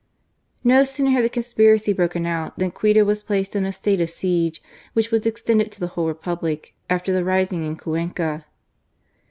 No sooner had the conspiracy broken out than Quito was placed in a state of siege, which was extended to the whole Republic after the rising in Cuenca.